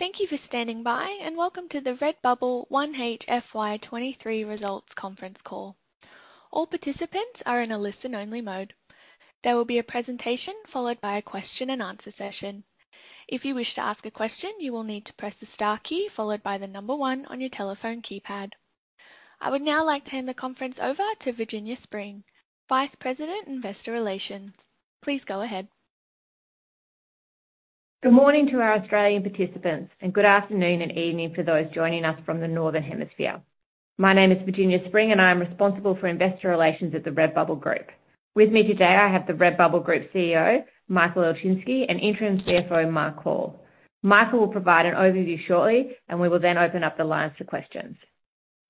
Thank you for standing by, and welcome to the Redbubble 1H FY 2023 Results Conference Call. All participants are in a listen-only mode. There will be a presentation followed by a question and answer session. If you wish to ask a question, you will need to press the star key followed by one on your telephone keypad. I would now like to hand the conference over to Virginia Spring, Vice President, Investor Relations. Please go ahead. Good morning to our Australian participants and good afternoon and evening for those joining us from the Northern Hemisphere. My name is Virginia Spring, and I am responsible for investor relations at the Redbubble Group. With me today, I have the Redbubble Group CEO, Michael Ilczynski, and Interim CFO, Mark Hall. Michael will provide an overview shortly, and we will then open up the lines to questions.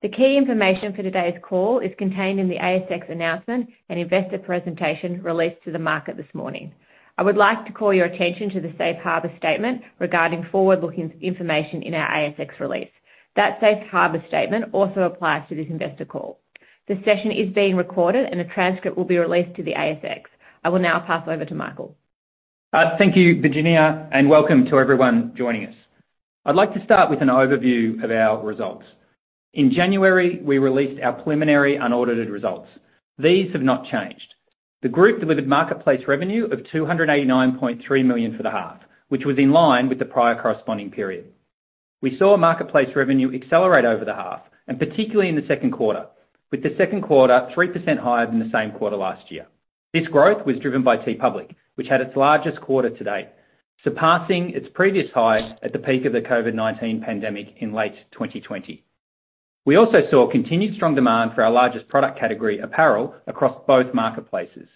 The key information for today's call is contained in the ASX announcement and investor presentation released to the market this morning. I would like to call your attention to the Safe Harbor statement regarding forward-looking information in our ASX release. That Safe Harbor statement also applies to this investor call. This session is being recorded, and a transcript will be released to the ASX. I will now pass over to Michael. Thank you, Virginia, and welcome to everyone joining us. I'd like to start with an overview of our results. In January, we released our preliminary unaudited results. These have not changed. The group delivered marketplace revenue of 289.3 million for the half, which was in line with the prior corresponding period. We saw marketplace revenue accelerate over the half, and particularly in the second quarter, with the second quarter 3% higher than the same quarter last year. This growth was driven by TeePublic, which had its largest quarter to date, surpassing its previous high at the peak of the COVID-19 pandemic in late 2020. We also saw continued strong demand for our largest product category, apparel, across both marketplaces.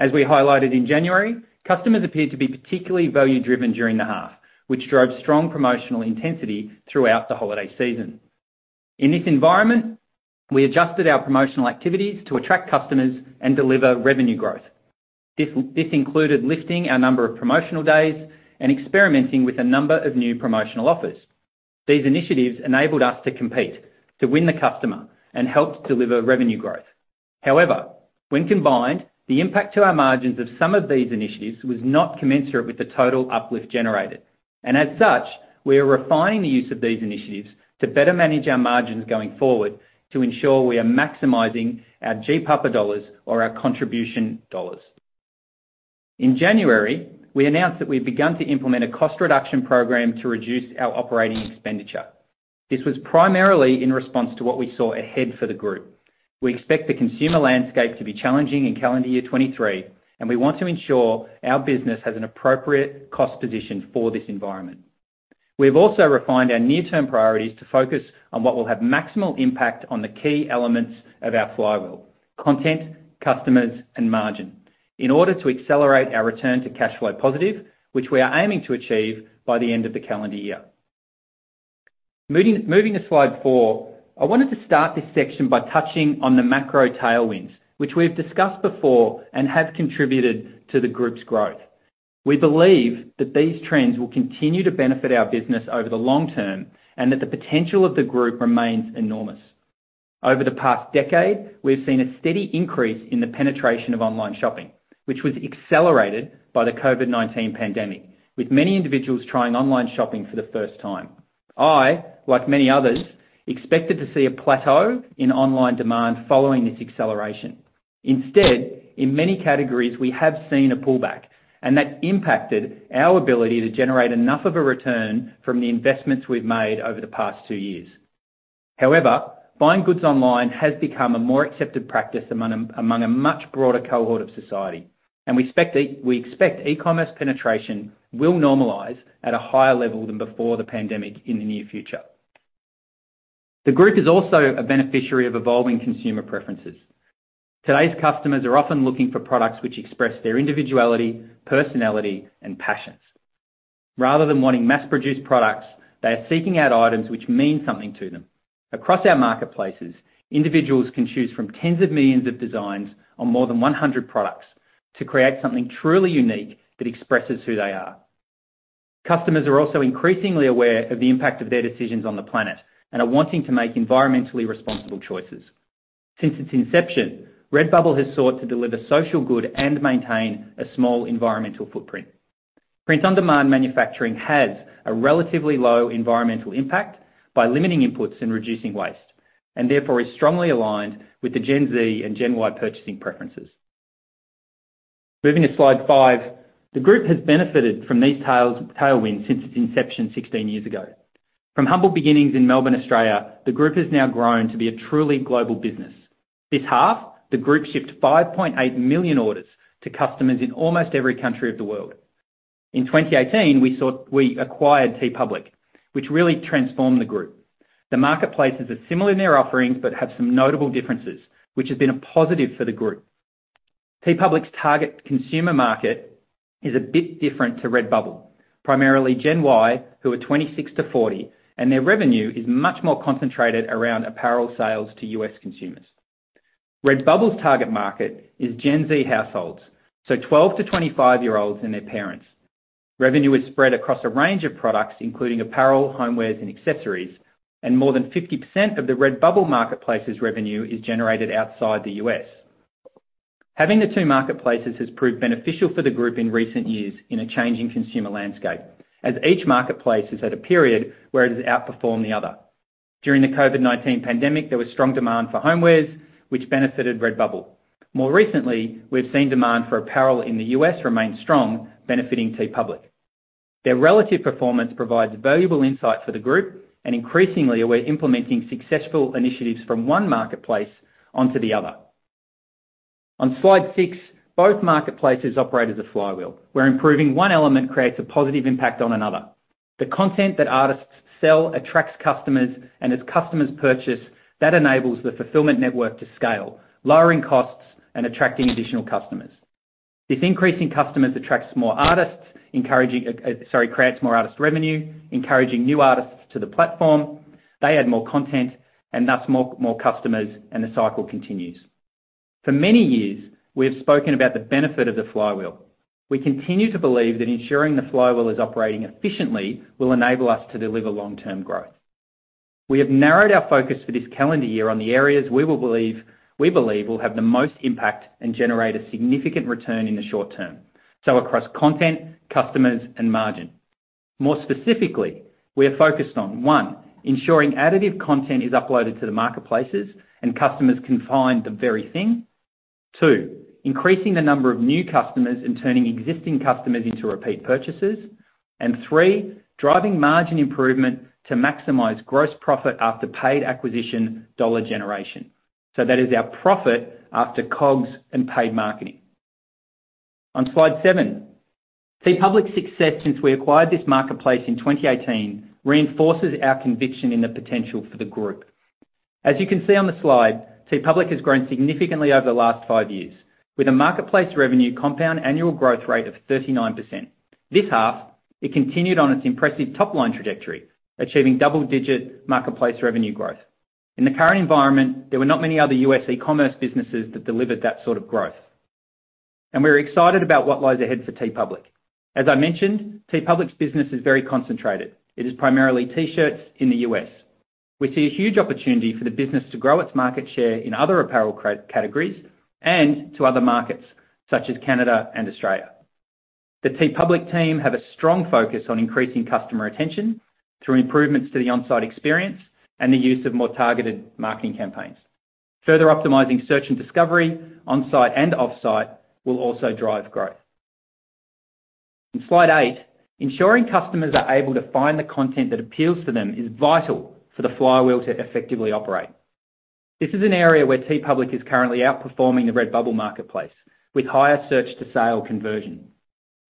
As we highlighted in January, customers appeared to be particularly value-driven during the half, which drove strong promotional intensity throughout the holiday season. In this environment, we adjusted our promotional activities to attract customers and deliver revenue growth. This included lifting our number of promotional days and experimenting with a number of new promotional offers. These initiatives enabled us to compete to win the customer and helped deliver revenue growth. When combined, the impact to our margins of some of these initiatives was not commensurate with the total uplift generated, and as such, we are refining the use of these initiatives to better manage our margins going forward to ensure we are maximizing our GPAPA dollars or our contribution dollars. In January, we announced that we've begun to implement a cost reduction program to reduce our operating expenditure. This was primarily in response to what we saw ahead for the group. We expect the consumer landscape to be challenging in calendar year 2023, and we want to ensure our business has an appropriate cost position for this environment. We have also refined our near-term priorities to focus on what will have maximal impact on the key elements of our flywheel: content, customers, and margin in order to accelerate our return to cash flow positive, which we are aiming to achieve by the end of the calendar year. Moving to slide 4. I wanted to start this section by touching on the macro tailwinds, which we've discussed before and have contributed to the Group's growth. We believe that these trends will continue to benefit our business over the long term, and that the potential of the Group remains enormous. Over the past decade, we have seen a steady increase in the penetration of online shopping, which was accelerated by the COVID-19 pandemic, with many individuals trying online shopping for the first time. I, like many others, expected to see a plateau in online demand following this acceleration. Instead, in many categories, we have seen a pullback, and that impacted our ability to generate enough of a return from the investments we've made over the past two years. However, buying goods online has become a more accepted practice among a much broader cohort of society, and we expect e-commerce penetration will normalize at a higher level than before the pandemic in the near future. The group is also a beneficiary of evolving consumer preferences. Today's customers are often looking for products which express their individuality, personality, and passions. Rather than wanting mass-produced products, they are seeking out items which mean something to them. Across our marketplaces, individuals can choose from tens of millions of designs on more than 100 products to create something truly unique that expresses who they are. Customers are also increasingly aware of the impact of their decisions on the planet and are wanting to make environmentally responsible choices. Since its inception, Redbubble has sought to deliver social good and maintain a small environmental footprint. Print-on-demand manufacturing has a relatively low environmental impact by limiting inputs and reducing waste, and therefore is strongly aligned with the Gen Z and Gen Y purchasing preferences. Moving to slide 5. The group has benefited from these tailwinds since its inception 16 years ago. From humble beginnings in Melbourne, Australia, the group has now grown to be a truly global business. This half, the group shipped 5.8 million orders to customers in almost every country of the world. In 2018, we acquired TeePublic, which really transformed the group. The marketplaces are similar in their offerings but have some notable differences, which has been a positive for the group. TeePublic's target consumer market is a bit different to Redbubble, primarily Gen Y, who are 26-40, and their revenue is much more concentrated around apparel sales to U.S. consumers. Redbubble's target market is Gen Z households, 12-25-year-olds and their parents. Revenue is spread across a range of products, including apparel, homewares, and accessories, and more than 50% of the Redbubble Marketplace's Revenue is generated outside the U.S. Having the two marketplaces has proved beneficial for the group in recent years in a changing consumer landscape, as each marketplace is at a period where it has outperformed the other. During the COVID-19 pandemic, there was strong demand for homewares, which benefited Redbubble. More recently, we've seen demand for apparel in the U.S. remain strong, benefiting TeePublic. Their relative performance provides valuable insight for the group, and increasingly, we're implementing successful initiatives from one marketplace onto the other. On Slide 6, both marketplaces operate as a flywheel, where improving one element creates a positive impact on another. The content that artists sell attracts customers, and as customers purchase, that enables the fulfillment network to scale, lowering costs and attracting additional customers. This increasing customers attracts more artists, creating more artist revenue, encouraging new artists to the platform. They add more content and thus more customers, and the cycle continues. For many years, we have spoken about the benefit of the flywheel. We continue to believe that ensuring the flywheel is operating efficiently will enable us to deliver long-term growth. We have narrowed our focus for this calendar year on the areas we believe will have the most impact and generate a significant return in the short term, so across content, customers, and margin. More specifically, we are focused on, one. ensuring additive content is uploaded to the marketplaces and customers can find the very thing. Two. increasing the number of new customers and turning existing customers into repeat purchasers. Three. driving margin improvement to maximize gross profit after paid acquisition dollar generation. That is our profit after COGS and paid marketing. On Slide 7. TeePublic's success since we acquired this marketplace in 2018 reinforces our conviction in the potential for the group. As you can see on the slide, TeePublic has grown significantly over the last five years with a marketplace revenue compound annual growth rate of 39%. This half, it continued on its impressive top-line trajectory, achieving double-digit marketplace revenue growth. In the current environment, there were not many other US e-commerce businesses that delivered that sort of growth. We're excited about what lies ahead for TeePublic. As I mentioned, TeePublic's business is very concentrated. It is primarily T-shirts in the US. We see a huge opportunity for the business to grow its market share in other apparel categories and to other markets such as Canada and Australia. The TeePublic team have a strong focus on increasing customer retention through improvements to the on-site experience and the use of more targeted marketing campaigns. Further optimizing search and discovery on-site and off-site will also drive growth. In Slide 8, ensuring customers are able to find the content that appeals to them is vital for the flywheel to effectively operate. This is an area where TeePublic is currently outperforming the Redbubble marketplace with higher search-to-sale conversion.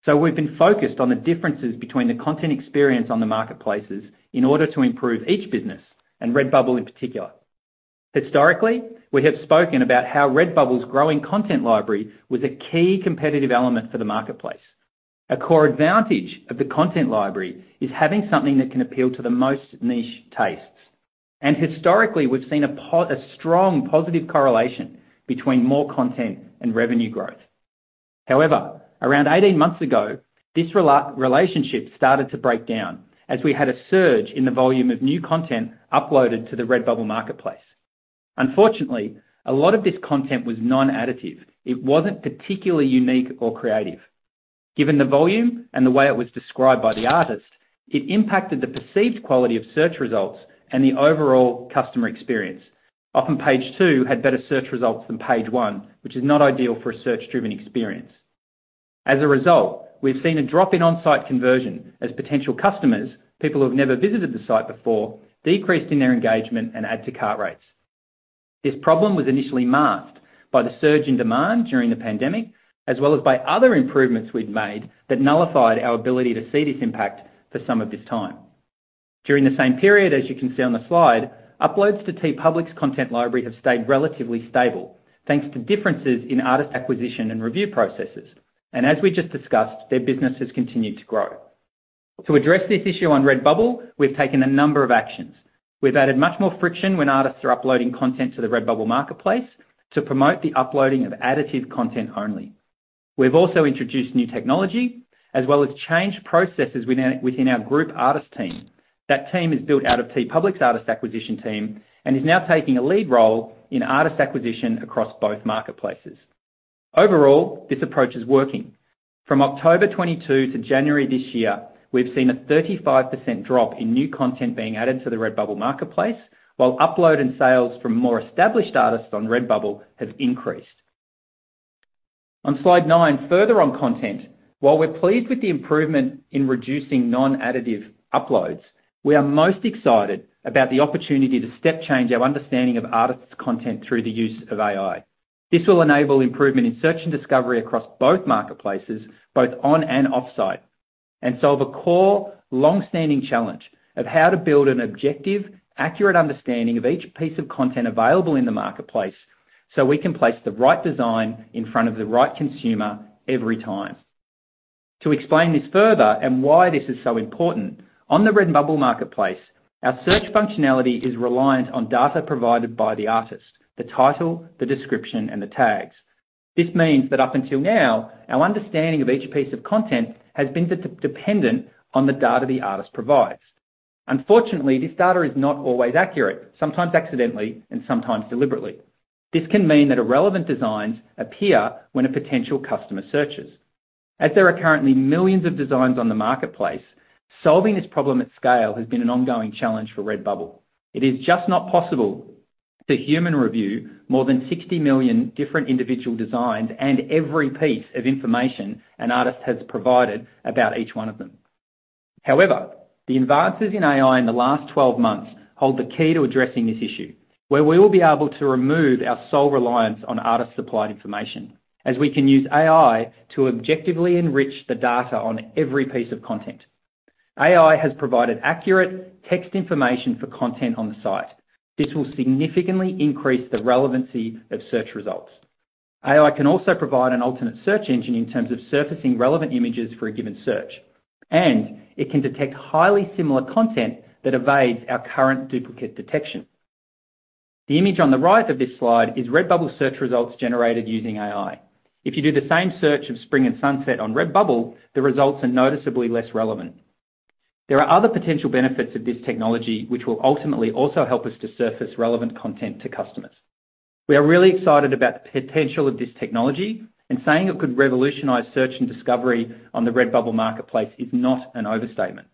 We've been focused on the differences between the content experience on the marketplaces in order to improve each business and Redbubble in particular. Historically, we have spoken about how Redbubble's growing content library was a key competitive element for the marketplace. A core advantage of the content library is having something that can appeal to the most niche tastes. Historically, we've seen a strong positive correlation between more content and revenue growth. However, around 18 months ago, this relationship started to break down as we had a surge in the volume of new content uploaded to the Redbubble marketplace. Unfortunately, a lot of this content was non-additive. It wasn't particularly unique or creative. Given the volume and the way it was described by the artist, it impacted the perceived quality of search results and the overall customer experience. Often page two had better search results than page one, which is not ideal for a search-driven experience. As a result, we've seen a drop in on-site conversion as potential customers, people who have never visited the site before, decreasing their engagement and add to cart rates. This problem was initially masked by the surge in demand during the pandemic, as well as by other improvements we'd made that nullified our ability to see this impact for some of this time. During the same period, as you can see on the slide, uploads to TeePublic's content library have stayed relatively stable, thanks to differences in artist acquisition and review processes. As we just discussed, their business has continued to grow. To address this issue on Redbubble, we've taken a number of actions. We've added much more friction when artists are uploading content to the Redbubble marketplace to promote the uploading of additive content only. We've also introduced new technology as well as changed processes within our group artist team. That team is built out of TeePublic's artist acquisition team and is now taking a lead role in artist acquisition across both marketplaces. Overall, this approach is working. From October 2022 to January this year, we've seen a 35% drop in new content being added to the Redbubble marketplace while upload and sales from more established artists on Redbubble have increased. On Slide 9, further on content, while we're pleased with the improvement in reducing non-additive uploads, we are most excited about the opportunity to step change our understanding of artists' content through the use of AI. This will enable improvement in search and discovery across both marketplaces, both on and off-site. The core longstanding challenge of how to build an objective, accurate understanding of each piece of content available in the marketplace, so we can place the right design in front of the right consumer every time. To explain this further and why this is so important, on the Redbubble marketplace, our search functionality is reliant on data provided by the artist, the title, the description, and the tags. This means that up until now, our understanding of each piece of content has been dependent on the data the artist provides. Unfortunately, this data is not always accurate, sometimes accidentally and sometimes deliberately. This can mean that irrelevant designs appear when a potential customer searches. There are currently millions of designs on the marketplace, solving this problem at scale has been an ongoing challenge for Redbubble. It is just not possible to human review more than 60 million different individual designs and every piece of information an artist has provided about each one of them. The advances in AI in the last 12 months hold the key to addressing this issue, where we will be able to remove our sole reliance on artist-supplied information, as we can use AI to objectively enrich the data on every piece of content. AI has provided accurate text information for content on the site. This will significantly increase the relevancy of search results. AI can also provide an alternate search engine in terms of surfacing relevant images for a given search, and it can detect highly similar content that evades our current duplicate detection. The image on the right of this slide is Redbubble search results generated using AI. If you do the same search of spring and sunset on Redbubble, the results are noticeably less relevant. There are other potential benefits of this technology which will ultimately also help us to surface relevant content to customers. We are really excited about the potential of this technology and saying it could revolutionize search and discovery on the Redbubble marketplace is not an overstatement.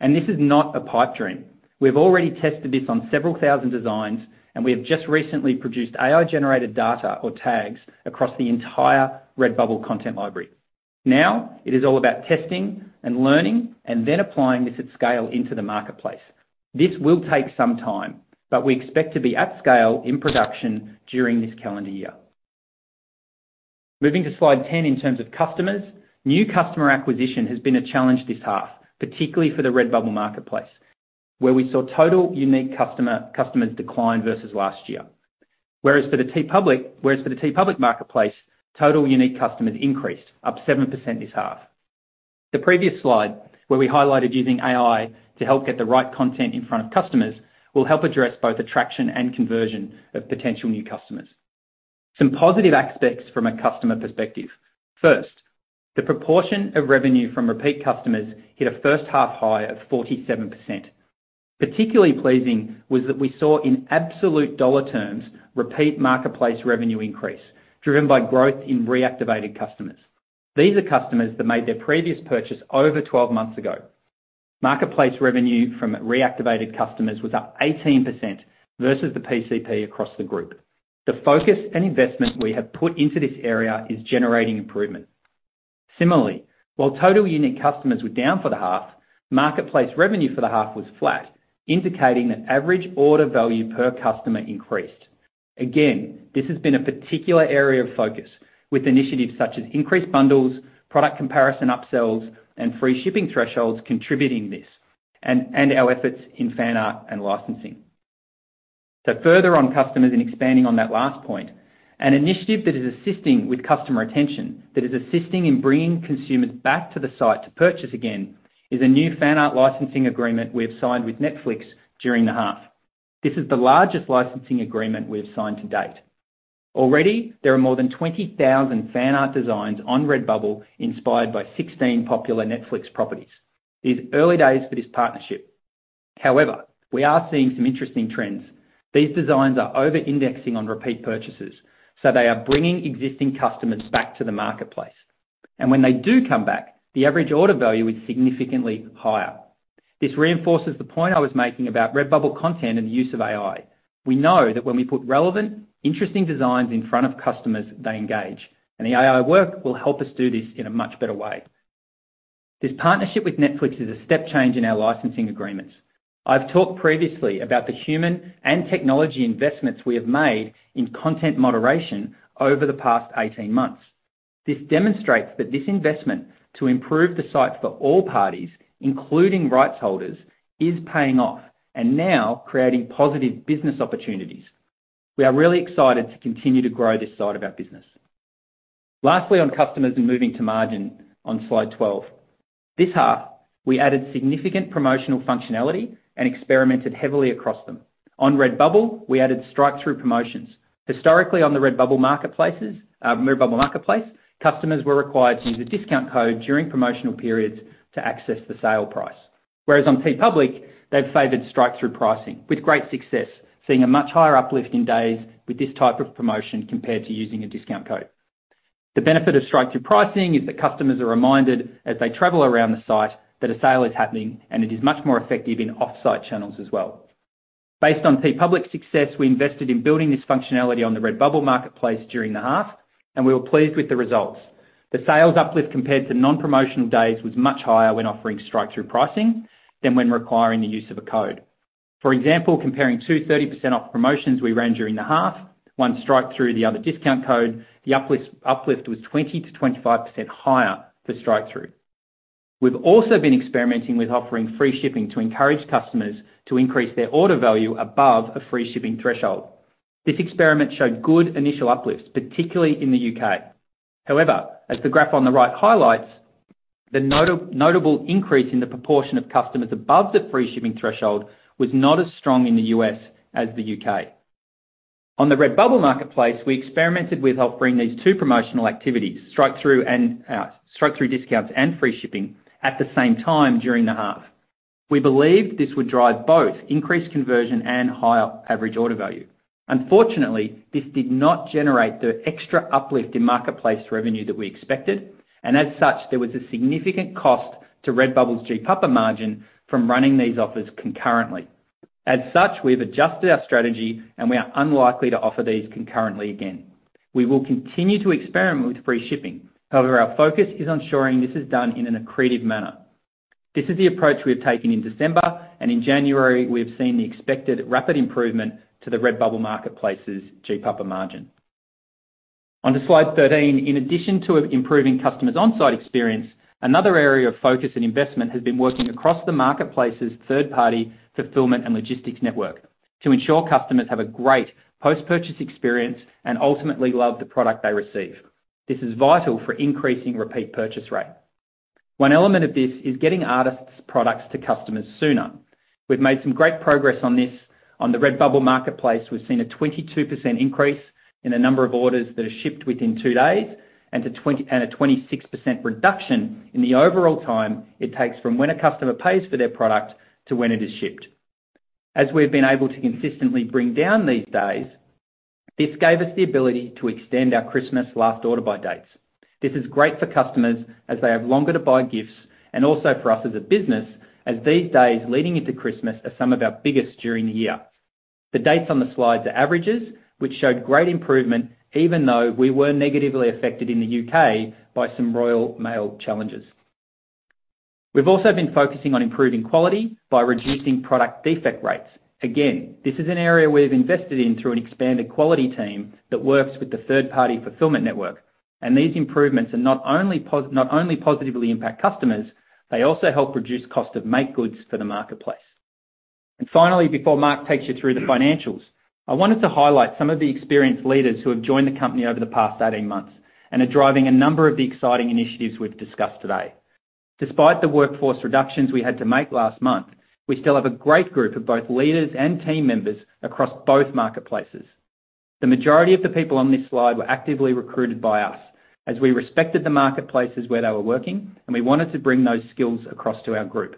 This is not a pipe dream. We've already tested this on several thousand designs, and we have just recently produced AI-generated data or tags across the entire Redbubble content library. It is all about testing and learning and then applying this at scale into the marketplace. This will take some time, but we expect to be at scale in production during this calendar year. Moving to slide 10 in terms of customers. New customer acquisition has been a challenge this half, particularly for the Redbubble marketplace, where we saw total unique customers decline versus last year. Whereas for the TeePublic marketplace, total unique customers increased, up 7% this half. The previous slide, where we highlighted using AI to help get the right content in front of customers, will help address both attraction and conversion of potential new customers. Some positive aspects from a customer perspective. First, the proportion of revenue from repeat customers hit a first-half high of 47%. Particularly pleasing was that we saw in absolute dollar terms, repeat Marketplace revenue increase driven by growth in reactivated customers. These are customers that made their previous purchase over 12 months ago. Marketplace revenue from reactivated customers was up 18% versus the PCP across the group. The focus and investment we have put into this area is generating improvement. Similarly, while total unique customers were down for the half, Marketplace revenue for the half was flat, indicating that average order value per customer increased. This has been a particular area of focus, with initiatives such as increased bundles, product comparison upsells, and free shipping thresholds contributing this, and our efforts in fan art and licensing. Further on customers and expanding on that last point, an initiative that is assisting with customer retention, that is assisting in bringing consumers back to the site to purchase again is a new fan art licensing agreement we have signed with Netflix during the half. This is the largest licensing agreement we have signed to date. Already, there are more than 20,000 fan art designs on Redbubble inspired by 16 popular Netflix properties. It's early days for this partnership. However, we are seeing some interesting trends. These designs are over-indexing on repeat purchases, so they are bringing existing customers back to the marketplace. When they do come back, the average order value is significantly higher. This reinforces the point I was making about Redbubble content and the use of AI. We know that when we put relevant, interesting designs in front of customers, they engage, and the AI work will help us do this in a much better way. This partnership with Netflix is a step change in our licensing agreements. I've talked previously about the human and technology investments we have made in content moderation over the past 18 months. This demonstrates that this investment to improve the site for all parties, including rights holders, is paying off and now creating positive business opportunities. We are really excited to continue to grow this side of our business. Lastly, on customers and moving to margin on slide 12. This half, we added significant promotional functionality and experimented heavily across them. On Redbubble, we added strikethrough promotions. Historically, on the Redbubble marketplace, customers were required to use a discount code during promotional periods to access the sale price. On TeePublic, they've favored strikethrough pricing with great success, seeing a much higher uplift in days with this type of promotion compared to using a discount code. The benefit of strikethrough pricing is that customers are reminded as they travel around the site that a sale is happening, and it is much more effective in off-site channels as well. Based on TeePublic's success, we invested in building this functionality on the Redbubble marketplace during the half, and we were pleased with the results. The sales uplift compared to non-promotional days was much higher when offering strikethrough pricing than when requiring the use of a code. For example, comparing 230% off promotions we ran during the half, one strikethrough, the other discount code, the uplift was 20%-25% higher for strikethrough. We've also been experimenting with offering free shipping to encourage customers to increase their order value above a free shipping threshold. This experiment showed good initial uplifts, particularly in the U.K. As the graph on the right highlights, the notable increase in the proportion of customers above the free shipping threshold was not as strong in the U.S. as the U.K. On the Redbubble marketplace, we experimented with offering these two promotional activities, strikethrough and strikethrough discounts and free shipping, at the same time during the half. We believed this would drive both increased conversion and higher average order value. Unfortunately, this did not generate the extra uplift in Marketplace revenue that we expected. As such, there was a significant cost to Redbubble's GPAPA margin from running these offers concurrently. As such, we have adjusted our strategy. We are unlikely to offer these concurrently again. We will continue to experiment with free shipping. However, our focus is on ensuring this is done in an accretive manner. This is the approach we have taken in December. In January, we have seen the expected rapid improvement to the Redbubble marketplace's GPAPA margin. Onto slide 13. In addition to improving customers' on-site experience, another area of focus and investment has been working across the marketplace's third-party fulfillment and logistics network to ensure customers have a great post-purchase experience and ultimately love the product they receive. This is vital for increasing repeat purchase rate. One element of this is getting artists' products to customers sooner. We've made some great progress on this. On the Redbubble marketplace, we've seen a 22% increase in the number of orders that are shipped within two days and a 26% reduction in the overall time it takes from when a customer pays for their product to when it is shipped. As we've been able to consistently bring down these days, this gave us the ability to extend our Christmas last order by dates. This is great for customers as they have longer to buy gifts and also for us as a business, as these days leading into Christmas are some of our biggest during the year. The dates on the slides are averages, which showed great improvement even though we were negatively affected in the U.K. by some Royal Mail challenges. We've also been focusing on improving quality by reducing product defect rates. Again, this is an area we've invested in through an expanded quality team that works with the third-party fulfillment network. These improvements are not only positively impact customers, they also help reduce cost of made goods for the marketplace. Finally, before Mark takes you through the financials, I wanted to highlight some of the experienced leaders who have joined the company over the past 18 months and are driving a number of the exciting initiatives we've discussed today. Despite the workforce reductions we had to make last month, we still have a great group of both leaders and team members across both marketplaces. The majority of the people on this slide were actively recruited by us as we respected the marketplaces where they were working, and we wanted to bring those skills across to our group.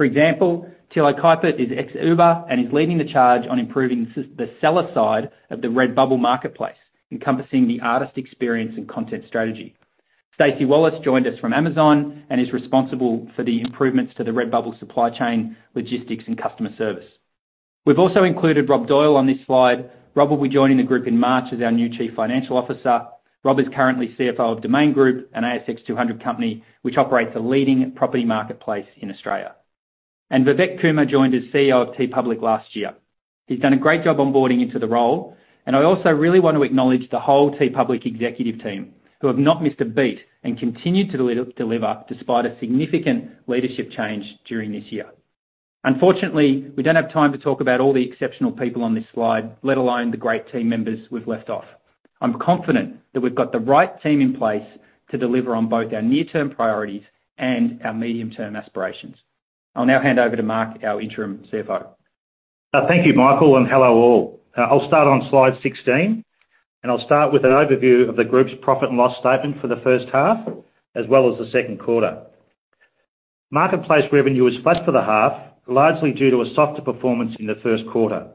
For example, Tilo Kuiper is ex-Uber and is leading the charge on improving the seller side of the Redbubble marketplace, encompassing the artist experience and content strategy. Stacey Wallace joined us from Amazon and is responsible for the improvements to the Redbubble supply chain, logistics, and customer service. We've also included Rob Doyle on this slide. Rob will be joining the group in March as our new Chief Financial Officer. Rob is currently CFO of Domain Group, an ASX 200 company, which operates the leading property marketplace in Australia. Vivek Kumar joined as CEO of TeePublic last year. He's done a great job onboarding into the role, and I also really want to acknowledge the whole TeePublic executive team, who have not missed a beat and continued to deliver despite a significant leadership change during this year. Unfortunately, we don't have time to talk about all the exceptional people on this slide, let alone the great team members we've left off. I'm confident that we've got the right team in place to deliver on both our near-term priorities and our medium-term aspirations. I'll now hand over to Mark, our Interim CFO. Thank you, Michael, and hello all. I'll start on slide 16, and I'll start with an overview of the group's profit and loss statement for the first half as well as the second quarter. Marketplace revenue was flat for the half, largely due to a softer performance in the first quarter.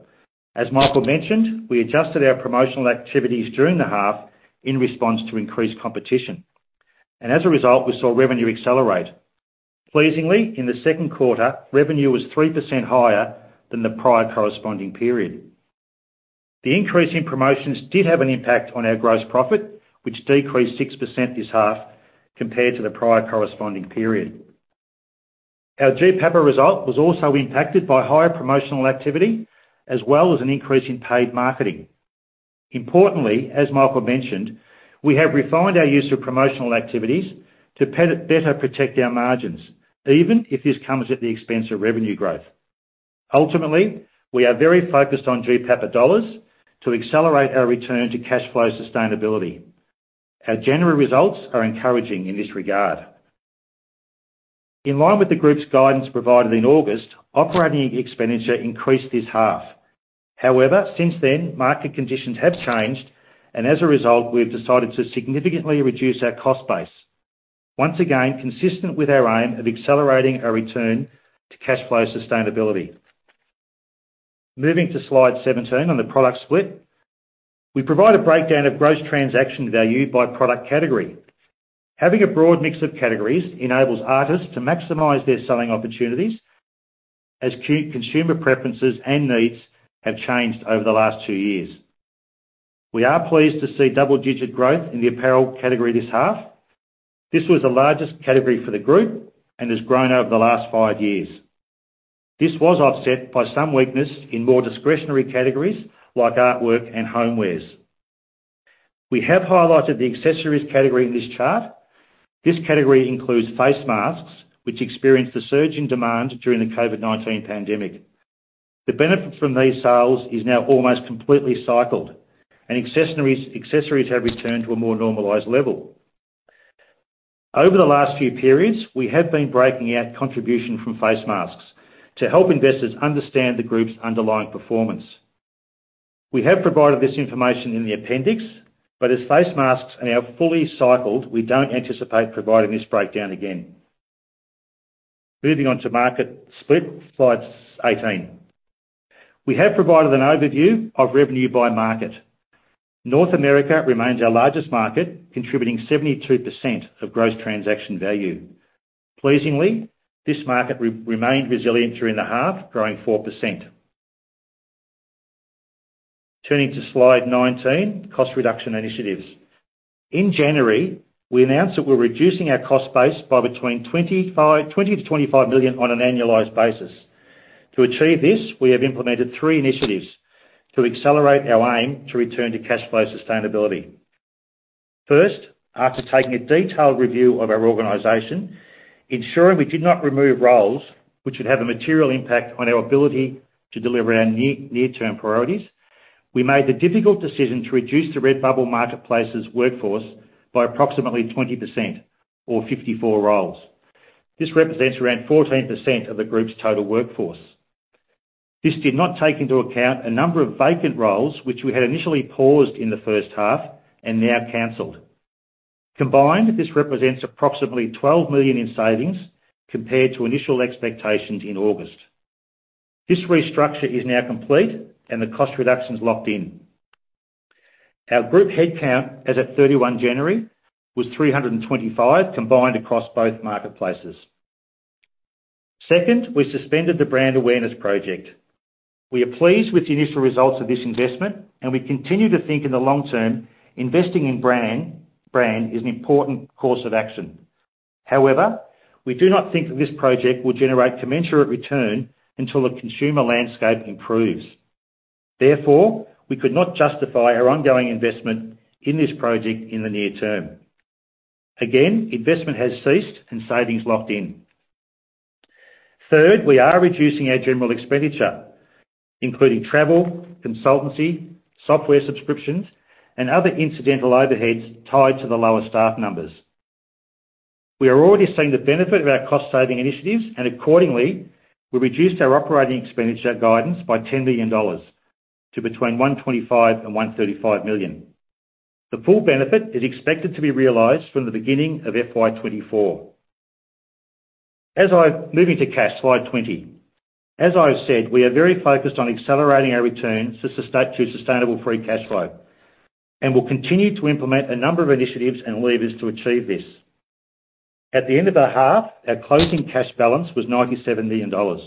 As Michael mentioned, we adjusted our promotional activities during the half in response to increased competition. As a result, we saw revenue accelerate. Pleasingly, in the second quarter, revenue was 3% higher than the prior corresponding period. The increase in promotions did have an impact on our gross profit, which decreased 6% this half compared to the prior corresponding period. Our GPAPA result was also impacted by higher promotional activity as well as an increase in paid marketing. Importantly, as Michael mentioned, we have refined our use of promotional activities to better protect our margins, even if this comes at the expense of revenue growth. Ultimately, we are very focused on GPAPA dollars to accelerate our return to cash flow sustainability. Our January results are encouraging in this regard. In line with the group's guidance provided in August, operating expenditure increased this half. However, since then, market conditions have changed, and as a result, we have decided to significantly reduce our cost base, once again, consistent with our aim of accelerating our return to cash flow sustainability. Moving to slide 17 on the product split. We provide a breakdown of gross transaction value by product category. Having a broad mix of categories enables artists to maximize their selling opportunities as consumer preferences and needs have changed over the last two years. We are pleased to see double-digit growth in the apparel category this half. This was the largest category for the group and has grown over the last five years. This was offset by some weakness in more discretionary categories like artwork and homewares. We have highlighted the accessories category in this chart. This category includes face masks, which experienced a surge in demand during the COVID-19 pandemic. The benefit from these sales is now almost completely cycled, and accessories have returned to a more normalized level. Over the last few periods, we have been breaking out contribution from face masks to help investors understand the group's underlying performance. We have provided this information in the appendix, but as face masks are now fully cycled, we don't anticipate providing this breakdown again. Moving on to market split, slide 18. We have provided an overview of revenue by market. North America remains our largest market, contributing 72% of gross transaction value. Pleasingly, this market remained resilient during the half, growing 4%. Turning to slide 19, cost reduction initiatives. In January, we announced that we're reducing our cost base by between $20-25 million on an annualized basis. To achieve this, we have implemented three initiatives to accelerate our aim to return to cash flow sustainability. First, after taking a detailed review of our organization, ensuring we did not remove roles which would have a material impact on our ability to deliver our near-term priorities. We made the difficult decision to reduce the Redbubble Marketplace's workforce by approximately 20% or 54 roles. This represents around 14% of the group's total workforce. This did not take into account a number of vacant roles which we had initially paused in the first half and now canceled. Combined, this represents approximately 12 million in savings compared to initial expectations in August. This restructure is now complete and the cost reduction's locked in. Our group headcount, as of 31 January, was 325, combined across both marketplaces. Second, we suspended the brand awareness project. We are pleased with the initial results of this investment, and we continue to think in the long term, investing in brand is an important course of action. However, we do not think that this project will generate commensurate return until the consumer landscape improves. Therefore, we could not justify our ongoing investment in this project in the near term. Again, investment has ceased and savings locked in. Third, we are reducing our general expenditure, including travel, consultancy, software subscriptions, and other incidental overheads tied to the lower staff numbers. We are already seeing the benefit of our cost-saving initiatives, accordingly, we reduced our operating expenditure guidance by 10 million dollars to between 125 million and 135 million. The full benefit is expected to be realized from the beginning of FY 2024. Moving to cash, slide 20. As I have said, we are very focused on accelerating our return to sustainable free cash flow, we'll continue to implement a number of initiatives and levers to achieve this. At the end of the half, our closing cash balance was 97 million dollars.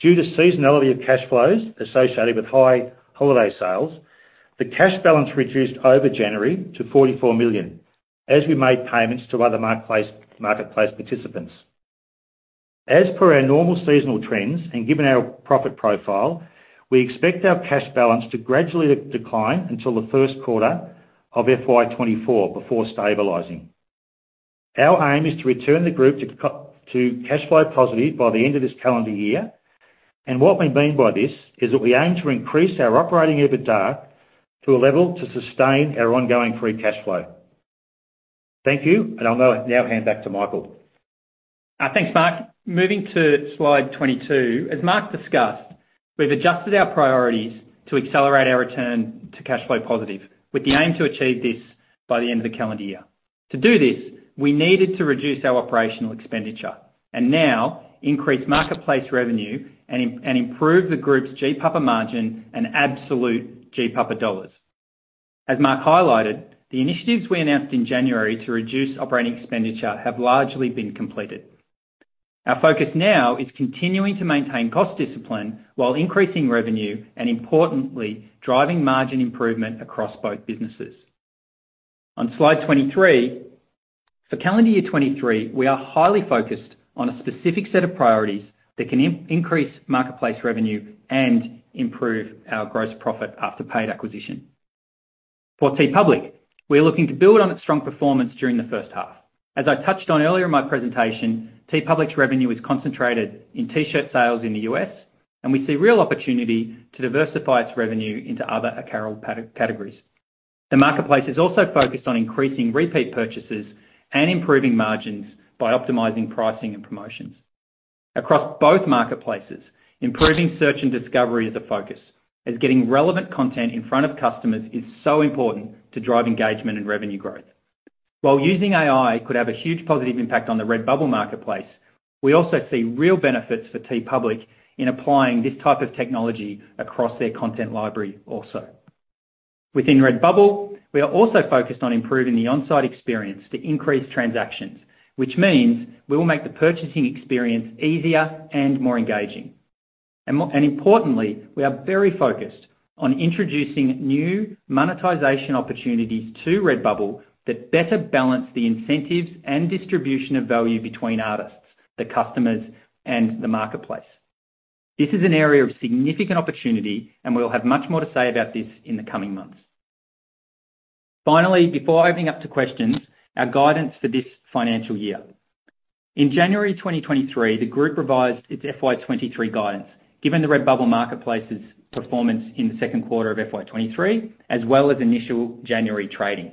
Due to seasonality of cash flows associated with high holiday sales, the cash balance reduced over January to 44 million as we made payments to other marketplace participants. As per our normal seasonal trends and given our profit profile, we expect our cash balance to gradually decline until the first quarter of FY 2024 before stabilizing. Our aim is to return the group to cash flow positive by the end of this calendar year. What we mean by this is that we aim to increase our operating EBITDA to a level to sustain our ongoing free cash flow. Thank you. I'll now hand back to Michael. Thanks, Mark. Moving to slide 22. As Mark discussed, we've adjusted our priorities to accelerate our return to cash flow positive, with the aim to achieve this by the end of the calendar year. To do this, we needed to reduce our operational expenditure and now increase marketplace revenue and improve the group's GPAPA margin and absolute GPAPA dollars. As Mark highlighted, the initiatives we announced in January to reduce operating expenditure have largely been completed. Our focus now is continuing to maintain cost discipline while increasing revenue and importantly, driving margin improvement across both businesses. On slide 23, for calendar year 2023, we are highly focused on a specific set of priorities that can increase marketplace revenue and improve our gross profit after paid acquisition. For TeePublic, we're looking to build on its strong performance during the first half. As I touched on earlier in my presentation, TeePublic's revenue is concentrated in T-shirt sales in the US, we see real opportunity to diversify its revenue into other apparel categories. The marketplace is also focused on increasing repeat purchases and improving margins by optimizing pricing and promotions. Across both marketplaces, improving search and discovery is a focus as getting relevant content in front of customers is so important to drive engagement and revenue growth. While using AI could have a huge positive impact on the Redbubble marketplace, we also see real benefits for TeePublic in applying this type of technology across their content library also. Within Redbubble, we are also focused on improving the on-site experience to increase transactions, which means we will make the purchasing experience easier and more engaging. Importantly, we are very focused on introducing new monetization opportunities to Redbubble that better balance the incentives and distribution of value between artists, the customers, and the marketplace. This is an area of significant opportunity. We'll have much more to say about this in the coming months. Finally, before opening up to questions, our guidance for this financial year. In January 2023, the group revised its FY 2023 guidance, given the Redbubble marketplace's performance in the second quarter of FY 2023, as well as initial January trading.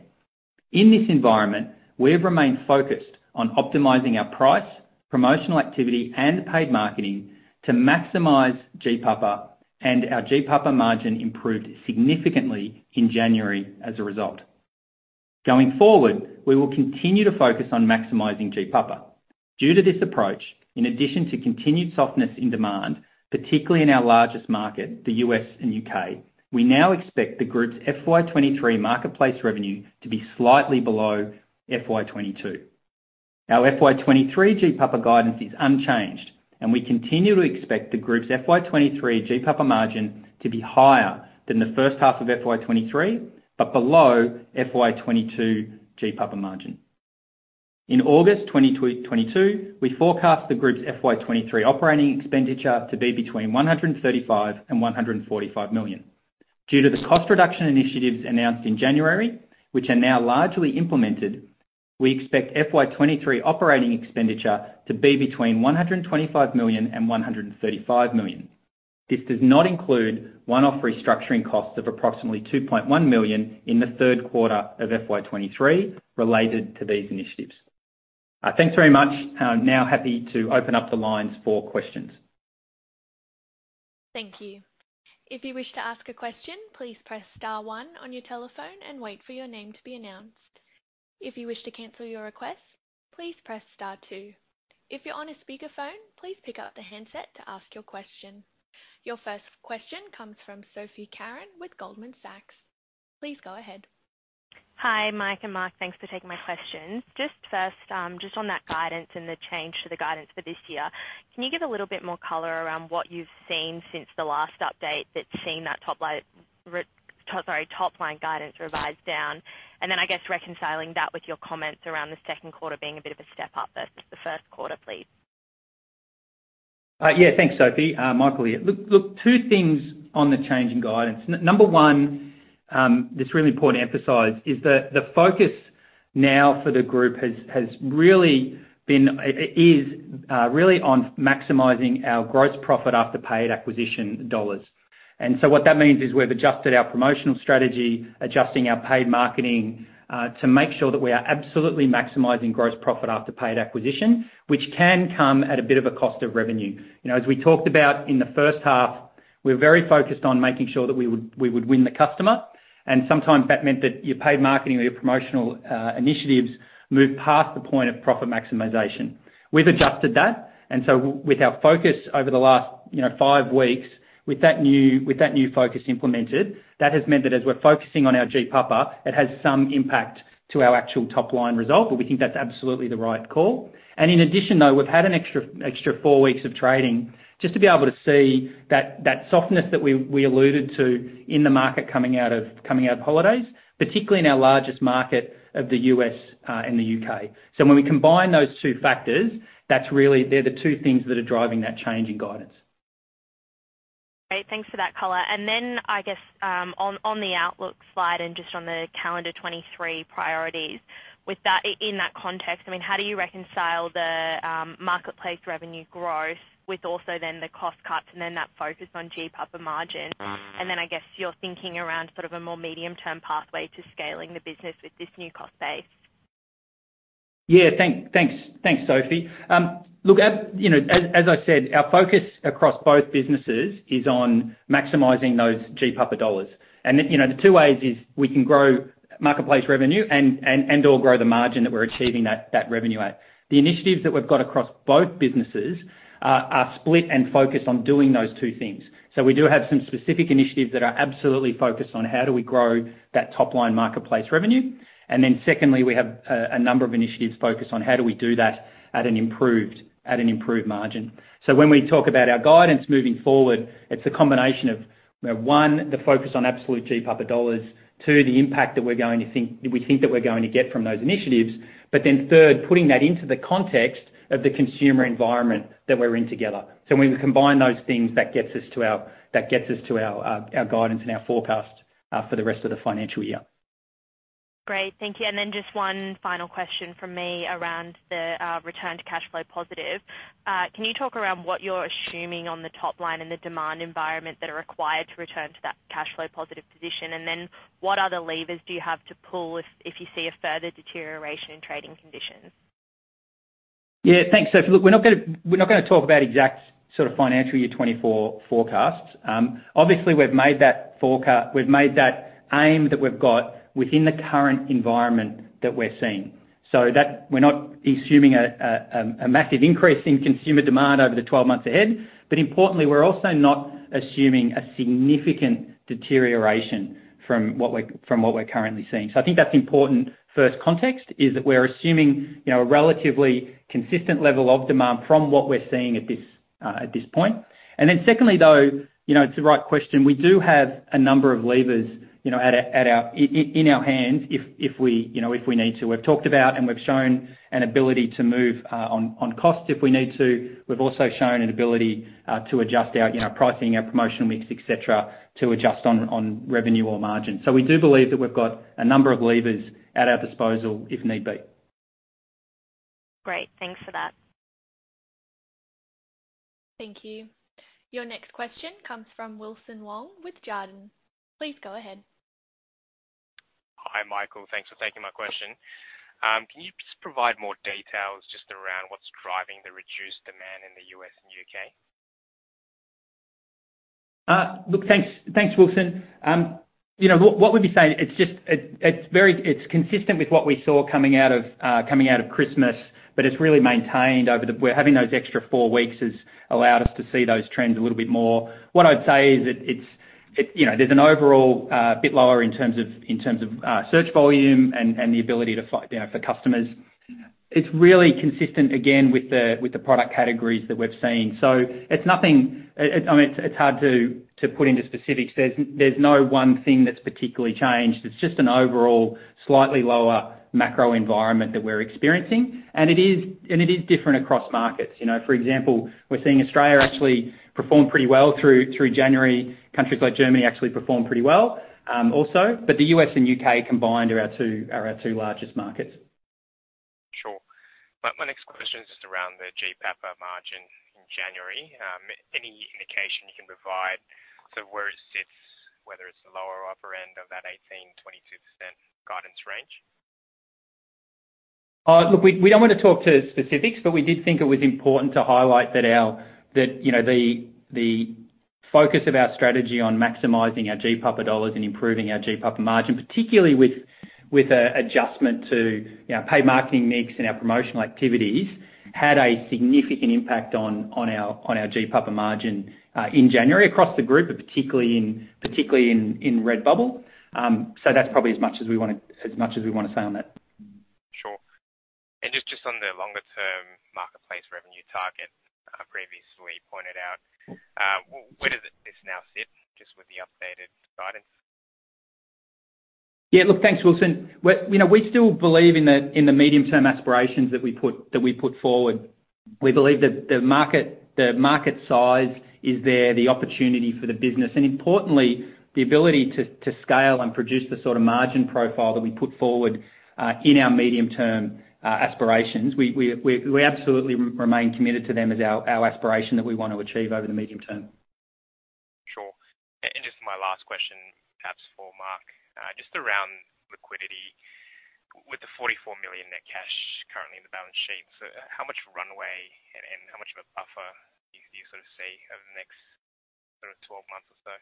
In this environment, we've remained focused on optimizing our price, promotional activity, and paid marketing to maximize GPAPA. Our GPAPA margin improved significantly in January as a result. Going forward, we will continue to focus on maximizing GPAPA. Due to this approach, in addition to continued softness in demand, particularly in our largest market, the U.S. and U.K., we now expect the group's FY 2023 Marketplace revenue to be slightly below FY 2022. Our FY 2023 GPAPA guidance is unchanged. We continue to expect the group's FY23 GPAPA margin to be higher than the first half of FY 2023, but below FY 2022 GPAPA margin. In August 2022, we forecast the group's FY 2023 operating expenditure to be between 135 million and 145 million. Due to the cost reduction initiatives announced in January, which are now largely implemented, we expect FY 2023 operating expenditure to be between 125 million and 135 million. This does not include one-off restructuring costs of approximately 2.1 million in the third quarter of FY 2023 related to these initiatives. Thanks very much. I'm now happy to open up the lines for questions. Thank you. If you wish to ask a question, please press star one on your telephone and wait for your name to be announced. If you wish to cancel your request, please press star two. If you're on a speakerphone, please pick up the handset to ask your question. Your first question comes from Sophie Carran with Goldman Sachs. Please go ahead. Hi, Mike and Mark. Thanks for taking my question. Just first, just on that guidance and the change to the guidance for this year, can you give a little bit more color around what you've seen since the last update that's seen that top line guidance revised down? I guess, reconciling that with your comments around the second quarter being a bit of a step up as to the first quarter, please. Yeah. Thanks, Sophie. Michael here. Two things on the change in guidance. Number one, that's really important to emphasize is the focus now for the group has really been is really on maximizing our Gross Profit After Paid Acquisition Dollars. What that means is we've adjusted our promotional strategy, adjusting our paid marketing to make sure that we are absolutely maximizing Gross Profit After Paid Acquisition, which can come at a bit of a cost of revenue. You know, as we talked about in the first half, we're very focused on making sure that we would win the customer, and sometimes that meant that your paid marketing or your promotional initiatives move past the point of profit maximization. We've adjusted that, with our focus over the last, you know, five weeks, with that new focus implemented, that has meant that as we're focusing on our GPAPA, it has some impact to our actual top line result, but we think that's absolutely the right call. In addition, though, we've had an extra four weeks of trading just to be able to see that softness that we alluded to in the market coming out of holidays, particularly in our largest market of the US and the UK. When we combine those two factors, that's really, they're the two things that are driving that change in guidance. Great. Thanks for that color. I guess, on the outlook slide and just on the calendar 23 priorities, with that in that context, I mean, how do you reconcile the Marketplace revenue growth with also then the cost cuts and then that focus on GPAPA margin? I guess, your thinking around sort of a more medium-term pathway to scaling the business with this new cost base. Yeah. Thanks, thanks, Sophie. Look, you know, as I said, our focus across both businesses is on maximizing those GPAPA dollars. You know, the two ways is we can grow Marketplace revenue and/or grow the margin that we're achieving that revenue at. The initiatives that we've got across both businesses are split and focused on doing those two things. We do have some specific initiatives that are absolutely focused on how do we grow that top line Marketplace revenue. Secondly, we have a number of initiatives focused on how do we do that at an improved margin. When we talk about our guidance moving forward, it's a combination of, you know, one, the focus on absolute GPAPA dollars. Two, the impact that we think that we're going to get from those initiatives. Third, putting that into the context of the consumer environment that we're in together. When we combine those things, that gets us to our guidance and our forecast for the rest of the financial year. Great. Thank you. Just one final question from me around the return to cash flow positive. Can you talk around what you're assuming on the top line in the demand environment that are required to return to that cash flow positive position? What other levers do you have to pull if you see a further deterioration in trading conditions? Yeah. Thanks, Sophie. Look, we're not gonna talk about exact sort of financial year 2024 forecasts. Obviously we've made that aim that we've got within the current environment that we're seeing. That we're not assuming a massive increase in consumer demand over the 12 months ahead, but importantly, we're also not assuming a significant deterioration from what we're currently seeing. I think that's important first context is that we're assuming, you know, a relatively consistent level of demand from what we're seeing at this point. Secondly, though, you know, it's the right question. We do have a number of levers, you know, at our in our hands if we, you know, if we need to. We've talked about and we've shown an ability to move on costs if we need to. We've also shown an ability to adjust our, you know, pricing, our promotional mix, et cetera, to adjust on revenue or margin. We do believe that we've got a number of levers at our disposal if need be. Great. Thanks for that. Thank you. Your next question comes from Wilson Wong with Jarden. Please go ahead. Hi, Michael. Thanks for taking my question. Can you just provide more details just around what's driving the reduced demand in the U.S. and U.K.? Look. Thanks. Thanks, Wilson. you know, what we'd be saying, it's just. It's consistent with what we saw coming out of Christmas, but it's really maintained over the. We're having those extra four weeks has allowed us to see those trends a little bit more. What I'd say is that it's, you know, there's an overall bit lower in terms of search volume and the ability to, you know, for customers. It's really consistent again, with the product categories that we've seen. it's nothing. I mean, it's hard to put into specifics. There's no one thing that's particularly changed. It's just an overall slightly lower macro environment that we're experiencing. it is different across markets. You know, for example, we're seeing Australia actually perform pretty well through January. Countries like Germany actually perform pretty well also. The U.S. and U.K. combined are our two largest markets. Sure. My next question is just around the GPAPA margin in January. Any indication you can provide to where it sits, whether it's the lower or upper end of that 18%-22% guidance range? Look, we don't wanna talk to specifics, but we did think it was important to highlight that, you know, the focus of our strategy on maximizing our GPAPA dollars and improving our GPAPA margin, particularly with a adjustment to, you know, paid marketing mix and our promotional activities, had a significant impact on our GPAPA margin in January across the group, but particularly in Redbubble. That's probably as much as we wanna say on that. Sure. Just on the longer term Marketplace revenue target, previously pointed out, where does this now sit just with the updated guidance? Yeah. Look. Thanks, Wilson. You know, we still believe in the medium-term aspirations that we put forward. We believe that the market size is there, the opportunity for the business, and importantly, the ability to scale and produce the sort of margin profile that we put forward in our medium-term aspirations. We absolutely remain committed to them as our aspiration that we want to achieve over the medium term. Sure. Just my last question, perhaps for Mark, just around liquidity. With the 44 million net cash currently in the balance sheet, how much runway and how much of a buffer do you sort of see over the next sort of 12 months or so?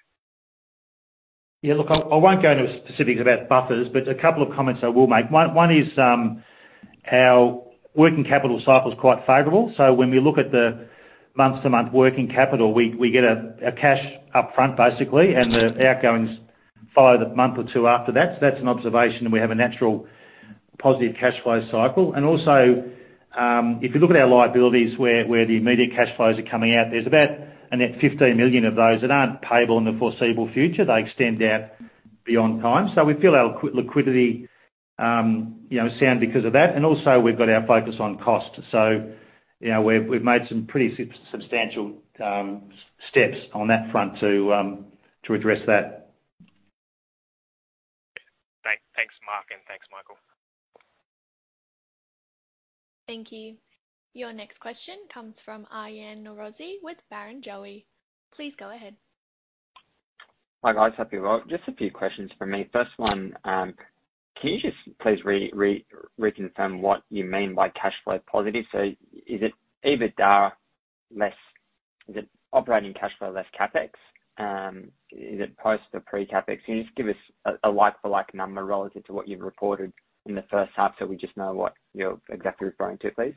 Look, I won't go into specifics about buffers, a couple of comments I will make. One is, our working capital cycle is quite favorable. When we look at the month-to-month working capital, we get a cash up front, basically, and the outgoings follow the month or two after that. That's an observation that we have a natural positive cash flow cycle. Also, if you look at our liabilities where the immediate cash flows are coming out, there's about a net 15 million of those that aren't payable in the foreseeable future. They extend out beyond time. We feel our liquidity, you know, sound because of that. Also we've got our focus on cost. You know, we've made some pretty substantial steps on that front to address that. Thanks, Mark, and thanks, Michael. Thank you. Your next question comes from Aryan Norozi with Barrenjoey. Please go ahead. Hi, guys. Hope you're well. Just a few questions from me. First one, can you just please reconfirm what you mean by cash flow positive? Is it EBITDA less? Is it operating cash flow less CapEx? Is it post or pre-CapEx? Can you just give us a like to like number relative to what you've reported in the first half, so we just know what you're exactly referring to, please.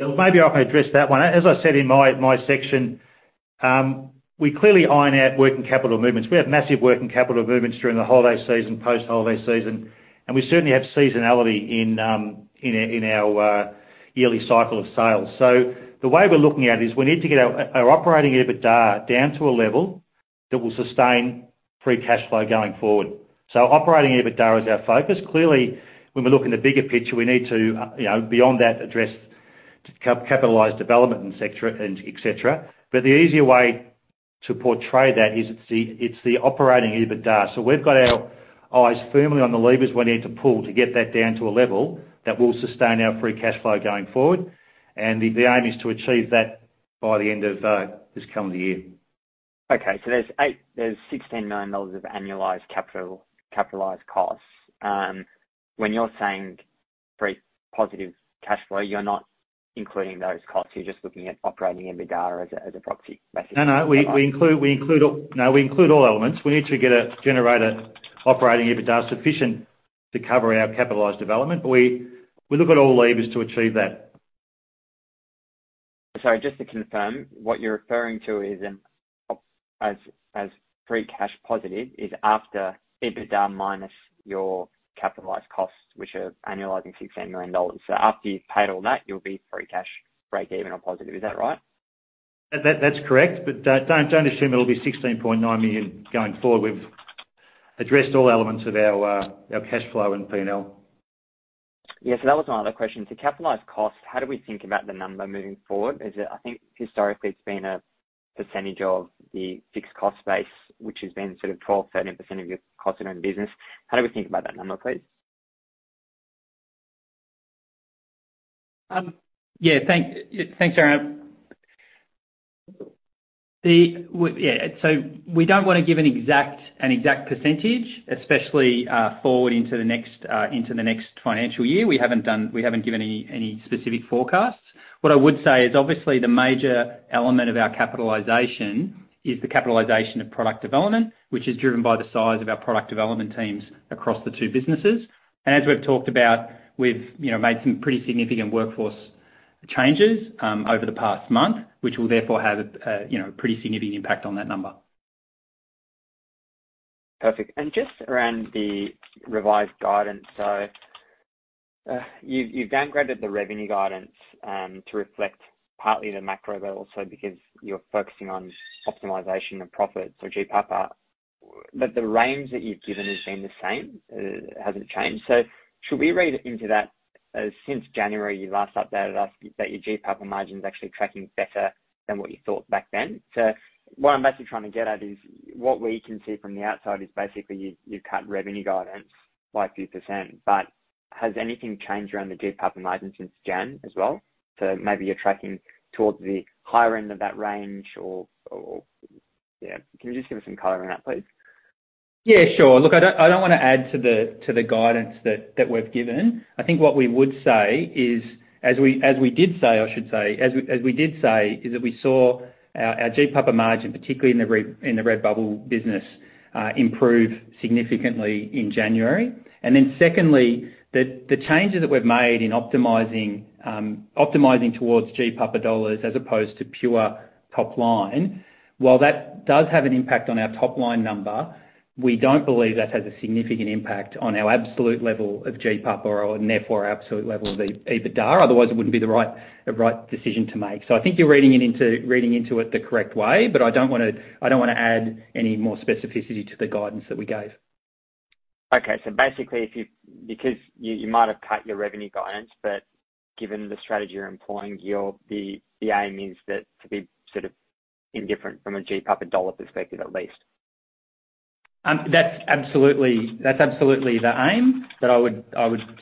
Maybe I can address that one. As I said in my section, we're clearly iron out working capital movements. We have massive working capital movements during the holiday season, post-holiday season, and we certainly have seasonality in our yearly cycle of sales. The way we're looking at it is we need to get our operating EBITDA down to a level that will sustain free cash flow going forward. Operating EBITDA is our focus. Clearly, when we look in the bigger picture, we need to, you know, beyond that address to capitalize development and et cetera. The easier way to portray that is it's the operating EBITDA. We've got our eyes firmly on the levers we need to pull to get that down to a level that will sustain our free cash flow going forward. The aim is to achieve that by the end of this calendar year. Okay. There's $16 million of annualized capitalized costs. When you're saying free positive cash flow, you're not including those costs, you're just looking at operating EBITDA as a proxy, basically. No, no. No, we include all elements. We need to generate a operating EBITDA sufficient to cover our capitalized development. We look at all levers to achieve that. Sorry. Just to confirm, what you're referring to is as free cash positive is after EBITDA minus your capitalized costs, which are annualizing 16 million dollars. After you've paid all that, you'll be free cash break even or positive. Is that right? That's correct. Don't assume it'll be 16.9 million going forward. We've addressed all elements of our cash flow and P&L. That was my other question. To capitalize costs, how do we think about the number moving forward? I think historically it's been a percentage of the fixed cost base, which has been sort of 12%-13% of your cost in business. How do we think about that number, please? Yeah, thank, thanks, Aryan. We don't wanna give an exact percentage, especially forward into the next financial year. We haven't given any specific forecasts. What I would say is, obviously, the major element of our capitalization is the capitalization of product development, which is driven by the size of our product development teams across the two businesses. As we've talked about, we've, you know, made some pretty significant workforce changes over the past month, which will therefore have a, you know, a pretty significant impact on that number. Perfect. Just around the revised guidance, you've downgraded the revenue guidance to reflect partly the macro, but also because you're focusing on optimization and profit or GPAPA. The range that you've given has been the same, it hasn't changed. Should we read into that as since January, you last updated us that your GPAPA margin is actually tracking better than what you thought back then? What I'm basically trying to get at is what we can see from the outside is basically you cut revenue guidance by a few percent, but has anything changed around the GPAPA margin since January as well? Maybe you're tracking towards the higher end of that range or, yeah. Can you just give us some color on that, please? Yeah, sure. Look, I don't wanna add to the guidance that we've given. I think what we would say is as we did say, I should say, as we did say, is that we saw our GPAPA margin, particularly in the Redbubble business, improve significantly in January. Secondly, the changes that we've made in optimizing towards GPAPA dollars as opposed to pure top-line, while that does have an impact on our top-line number, we don't believe that has a significant impact on our absolute level of GPAPA or, and therefore our absolute level of EBITDA. Otherwise, it wouldn't be the right decision to make. I think you're reading into it the correct way, but I don't wanna add any more specificity to the guidance that we gave. Basically, you might have cut your revenue guidance, given the strategy you're employing, the aim is that to be sort of indifferent from a GPAPA dollar perspective, at least. That's absolutely the aim. I would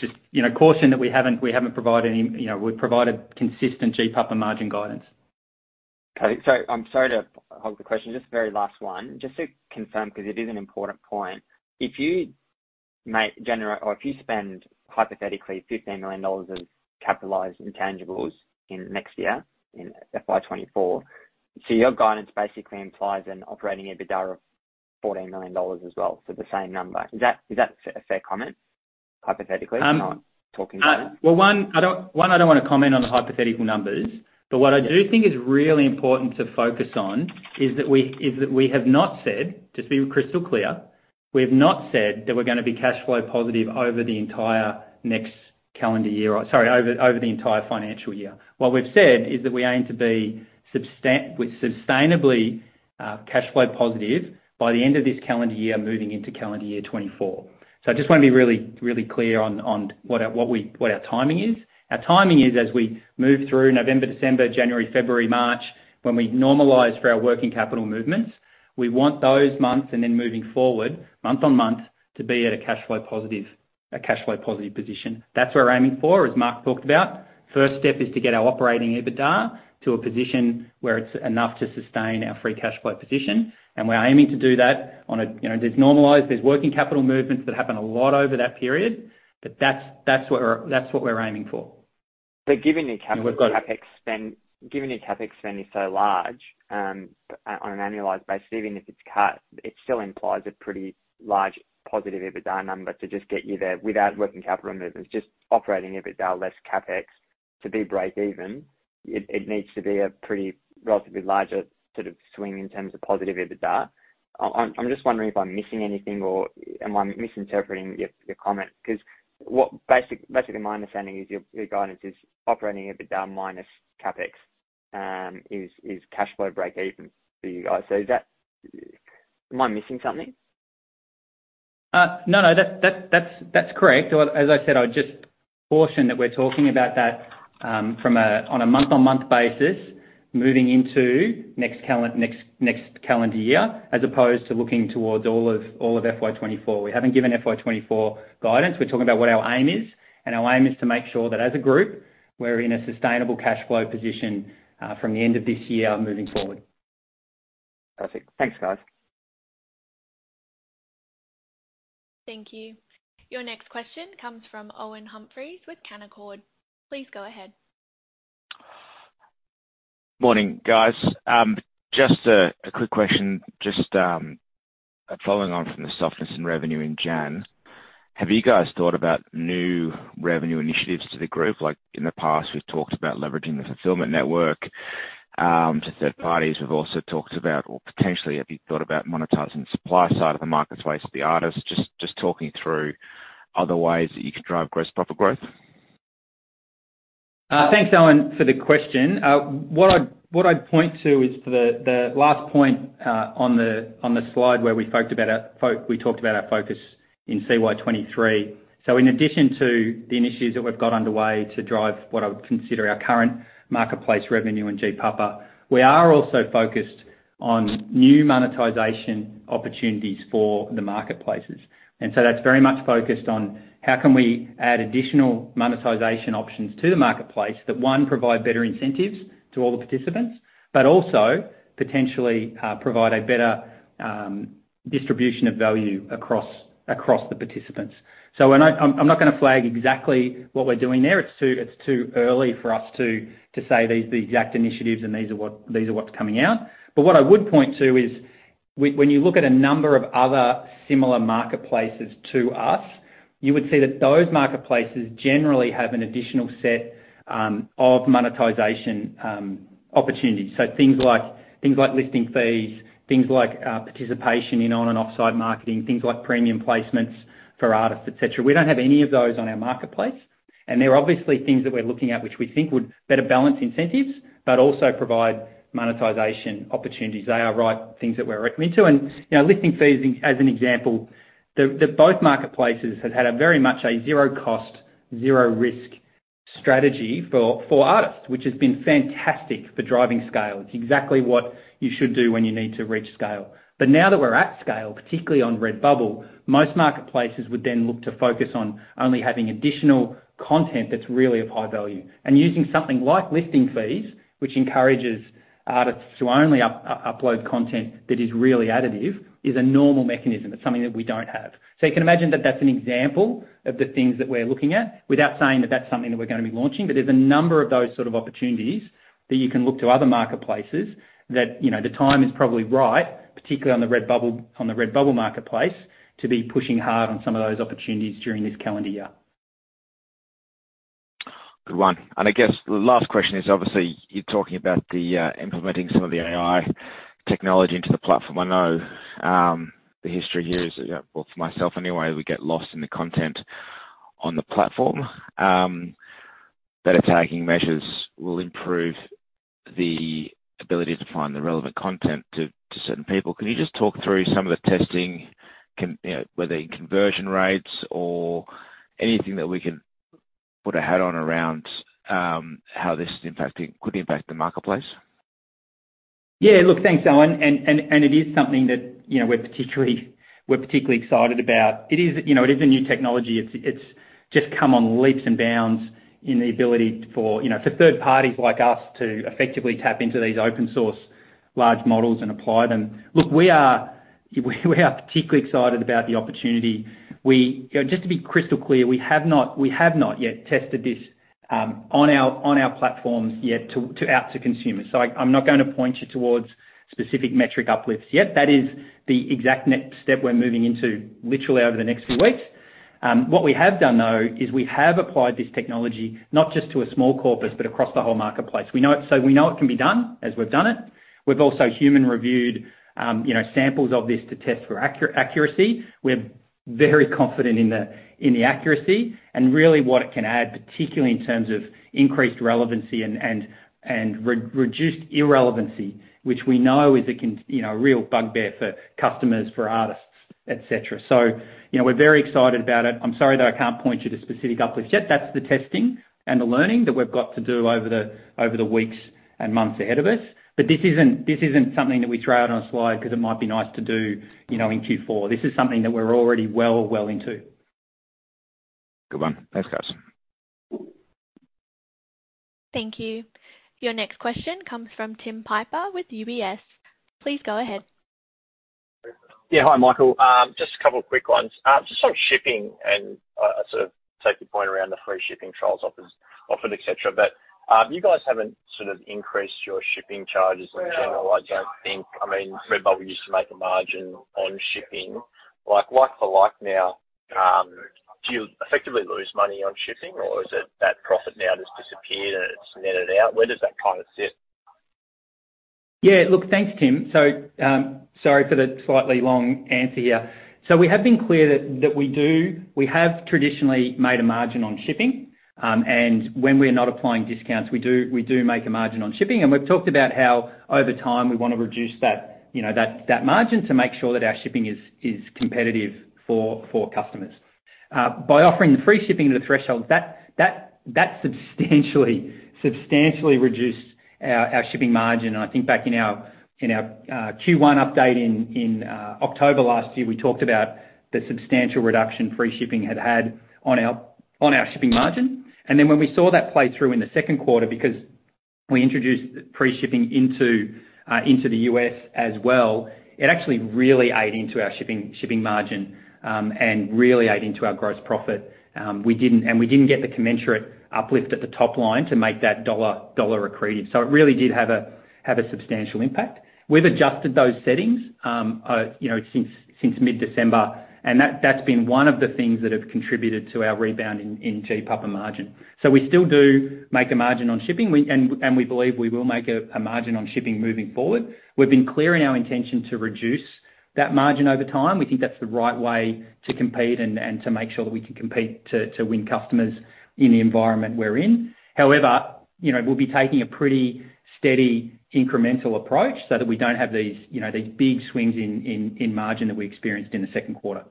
just, you know, caution that we haven't provided any, you know, we've provided consistent GPAPA margin guidance. Okay. I'm sorry to hog the question. Just very last one. Just to confirm, because it is an important point. If you make, generate, or if you spend, hypothetically, 15 million dollars of capitalized intangibles in next year, in FY 2024, so your guidance basically implies an operating EBITDA of 14 million dollars as well, so the same number. Is that a fair comment, hypothetically? I'm not talking about it. One, I don't wanna comment on the hypothetical numbers. What I do think is really important to focus on is that we have not said, just to be crystal clear, we have not said that we're gonna be cash flow positive over the entire next calendar year, or sorry, over the entire financial year. What we've said is that we aim to be with sustainably cash flow positive by the end of this calendar year, moving into calendar year 2024. I just want to be really, really clear on what our timing is. Our timing is as we move through November, December, January, February, March, when we normalize for our working capital movements, we want those months, and then moving forward month on month to be at a cash flow positive position. That's what we're aiming for, as Mark talked about. First step is to get our operating EBITDA to a position where it's enough to sustain our free cash flow position. We're aiming to do that on a, you know, there's normalized, there's working capital movements that happen a lot over that period, but that's what we're, that's what we're aiming for. Given your capital CapEx spend, given your CapEx spend is so large, on an annualized basis, even if it's cut, it still implies a pretty large positive EBITDA number to just get you there without working capital movements, just operating EBITDA less CapEx. To be break even, it needs to be a pretty relatively larger sort of swing in terms of positive EBITDA. I'm just wondering if I'm missing anything or am I misinterpreting your comment? 'Cause what basically my understanding is your guidance is operating EBITDA minus CapEx is cash flow break even for you guys. Am I missing something? No, no. That's correct. As I said, I would just caution that we're talking about that on a month-on-month basis moving into next calendar year, as opposed to looking towards all of FY 2024. We haven't given FY 2024 guidance. We're talking about what our aim is, and our aim is to make sure that as a group, we're in a sustainable cash flow position from the end of this year moving forward. Perfect. Thanks, guys. Thank you. Your next question comes from Owen Humphries with Canaccord. Please go ahead. Morning, guys. Just a quick question. Just following on from the softness in revenue in January, have you guys thought about new revenue initiatives to the group? Like in the past, we've talked about leveraging the fulfillment network to third parties. We've also talked about or potentially have you thought about monetizing the supply side of the marketplace to the artists? Just talking through other ways that you can drive gross profit growth. Thanks, Owen, for the question. What I'd, what I'd point to is for the last point on the slide where we talked about our focus in CY23. In addition to the initiatives that we've got underway to drive what I would consider our current Marketplace revenue in GPAPA, we are also focused on new monetization opportunities for the marketplaces. That's very much focused on how can we add additional monetization options to the marketplace that, one, provide better incentives to all the participants, but also potentially provide a better distribution of value across the participants. When I'm not gonna flag exactly what we're doing there. It's too early for us to say these are the exact initiatives, and these are what's coming out. What I would point to is when you look at a number of other similar marketplaces to us, you would see that those marketplaces generally have an additional set of monetization opportunities. Things like listing fees, things like participation in on and off-site marketing, things like premium placements for artists, et cetera. We don't have any of those on our marketplace. They're obviously things that we're looking at which we think would better balance incentives, but also provide monetization opportunities. They are right things that we're looking into. You know, listing fees as an example, the both marketplaces have had a very much a zero cost, zero risk strategy for artists, which has been fantastic for driving scale. It's exactly what you should do when you need to reach scale. Now that we're at scale, particularly on Redbubble, most marketplaces would then look to focus on only having additional content that's really of high value. Using something like listing fees, which encourages artists to only upload content that is really additive, is a normal mechanism. It's something that we don't have. You can imagine that that's an example of the things that we're looking at without saying that that's something that we're gonna be launching. There's a number of those sort of opportunities that you can look to other marketplaces that, you know, the time is probably right, particularly on the Redbubble marketplace, to be pushing hard on some of those opportunities during this calendar year. Good one. I guess the last question is obviously you're talking about the implementing some of the AI technology into the platform. I know, the history here is, well, for myself anyway, we get lost in the content on the platform. If taking measures will improve the ability to find the relevant content to certain people. Can you just talk through some of the testing, you know, whether in conversion rates or anything that we can put a hat on around how this is impacting could impact the marketplace? Yeah. Look, thanks, Owen. It is something that, you know, we're particularly excited about. It is, you know, it is a new technology. It's just come on leaps and bounds in the ability for, you know, for third parties like us to effectively tap into these open source large models and apply them. Look, we are particularly excited about the opportunity. You know, just to be crystal clear, we have not yet tested this on our platforms yet to out to consumers. I'm not gonna point you towards specific metric uplifts yet. That is the exact next step we're moving into literally over the next few weeks. What we have done, though, is we have applied this technology not just to a small corpus, but across the whole marketplace. We know it can be done as we've done it. We've also human reviewed, you know, samples of this to test for accuracy. We're very confident in the accuracy and really what it can add, particularly in terms of increased relevancy and reduced irrelevancy, which we know is a real bugbear for customers, for artists, et cetera. You know, we're very excited about it. I'm sorry that I can't point you to specific uplifts yet. That's the testing and the learning that we've got to do over the weeks and months ahead of us. This isn't something that we throw out on a slide because it might be nice to do, you know, in Q4. This is something that we're already well into. Good one. Thanks, guys. Thank you. Your next question comes from Tim Piper with UBS. Please go ahead. Yeah. Hi, Michael. Just a couple quick ones. Just on shipping and, sort of take your point around the free shipping trials offered, et cetera. You guys haven't sort of increased your shipping charges in general- Yeah I don't think. I mean, Redbubble used to make a margin on shipping, like for like now, do you effectively lose money on shipping, or is it that profit now just disappeared and it's netted out? Where does that kind of sit? Yeah. Look, thanks, Tim. Sorry for the slightly long answer here. We have been clear that we have traditionally made a margin on shipping. When we are not applying discounts, we do make a margin on shipping, and we've talked about how over time we wanna reduce that, you know, that margin to make sure that our shipping is competitive for customers. By offering free shipping to the threshold, that substantially reduced our shipping margin. I think back in our Q1 update in October last year, we talked about the substantial reduction free shipping had had on our shipping margin. Then when we saw that play through in the second quarter, because we introduced free shipping into the U.S. as well, it actually really ate into our shipping margin and really ate into our gross profit. And we didn't get the commensurate uplift at the top line to make that dollar accretive. It really did have a substantial impact. We've adjusted those settings, you know, since mid-December, and that's been one of the things that have contributed to our rebound in GPAPA and margin. We still do make a margin on shipping. We, and we believe we will make a margin on shipping moving forward. We've been clear in our intention to reduce that margin over time. We think that's the right way to compete and to make sure that we can compete to win customers in the environment we're in. However, you know, we'll be taking a pretty steady incremental approach so that we don't have these, you know, these big swings in margin that we experienced in the second quarter.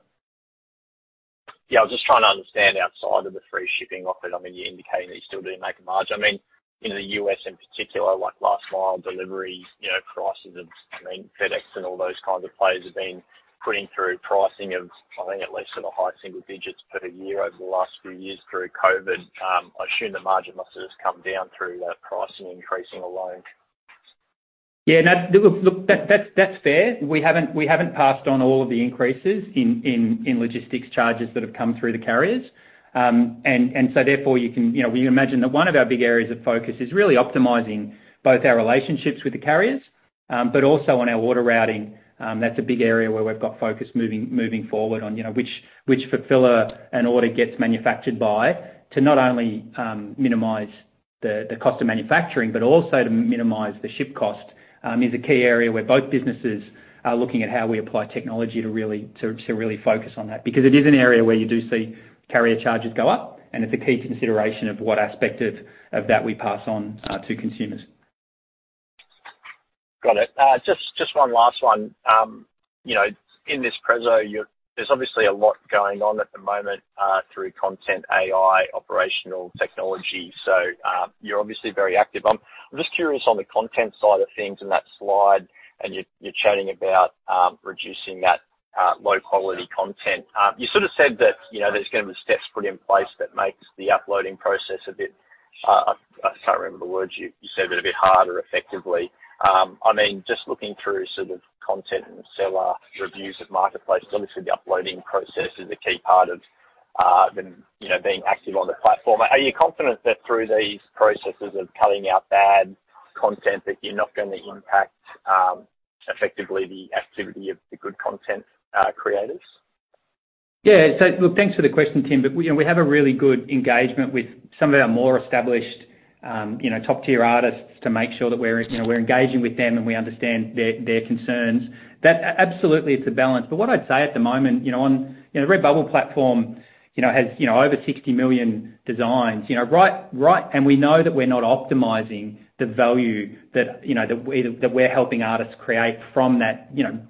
I was just trying to understand outside of the free shipping offer, I mean, you indicated that you still do make a margin. I mean, in the U.S. in particular, like last mile delivery, you know, prices of, I mean, FedEx and all those kinds of players have been putting through pricing of I think at least in the high single digits per year over the last few years through COVID-19. I assume the margin must have just come down through that pricing increasing alone. Yeah. That's fair. We haven't passed on all of the increases in logistics charges that have come through the carriers. Therefore you can, you know, you imagine that one of our big areas of focus is really optimizing both our relationships with the carriers, but also on our order routing. That's a big area where we've got focus moving forward on, you know, which fulfiller an order gets manufactured by to not only minimize the cost of manufacturing, but also to minimize the ship cost, is a key area where both businesses are looking at how we apply technology to really focus on that. It is an area where you do see carrier charges go up, and it's a key consideration of what aspect of that we pass on to consumers. Got it. Just one last one. You know, in this preso, there's obviously a lot going on at the moment through content AI, operational technology. You're obviously very active. I'm just curious on the content side of things in that slide, and you're chatting about reducing that low-quality content. You sort of said that, you know, there's gonna be steps put in place that makes the uploading process a bit... I can't remember the words you said, but a bit harder effectively. I mean, just looking through sort of content and seller reviews of marketplace, obviously the uploading process is a key part of the, you know, being active on the platform. Are you confident that through these processes of cutting out bad content, that you're not gonna impact, effectively the activity of the good content, creators? Look, thanks for the question, Tim. We, you know, we have a really good engagement with some of our more established, you know, top-tier artists to make sure that we're, you know, we're engaging with them and we understand their concerns. That absolutely is the balance. What I'd say at the moment, you know, on, you know, Redbubble platform, you know, has, you know, over 60 million designs. We know that we're not optimizing the value that, you know, that we're helping artists create from that, you know,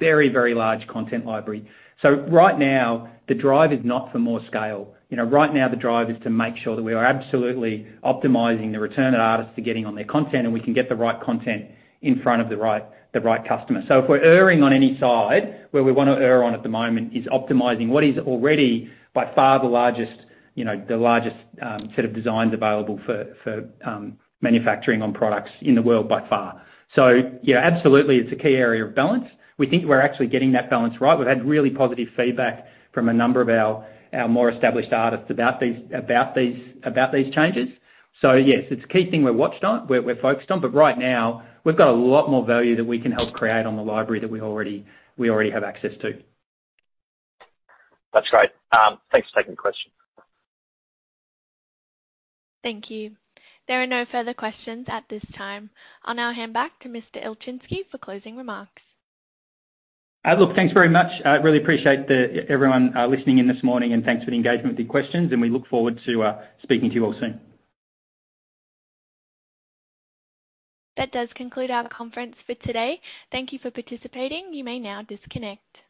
large content library. Right now the drive is not for more scale. You know, right now the drive is to make sure that we are absolutely optimizing the return that artists are getting on their content, and we can get the right content in front of the right, the right customer. If we're erring on any side, where we wanna err on at the moment is optimizing what is already by far the largest, you know, the largest set of designs available for manufacturing on products in the world by far. Yeah, absolutely it's a key area of balance. We think we're actually getting that balance right. We've had really positive feedback from a number of our more established artists about these changes. Yes, it's a key thing we're focused on, but right now we've got a lot more value that we can help create on the library that we already have access to. That's great. Thanks for taking the question. Thank you. There are no further questions at this time. I'll now hand back to Mr. Ilczynski for closing remarks. Look, thanks very much. I really appreciate the everyone listening in this morning and thanks for the engagement with your questions and we look forward to speaking to you all soon. That does conclude our conference for today. Thank you for participating. You may now disconnect.